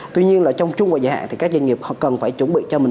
tuy nhiên là trong trung hoạt giải hạn thì các doanh nghiệp cần phải chuẩn bị cho mình